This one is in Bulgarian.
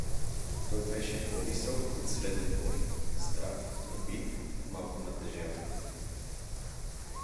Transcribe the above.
Той беше по-висок от среден бой, здрав, набит, малко натежал.